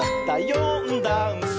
「よんだんす」